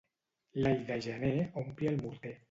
L'all de gener ompli el morter.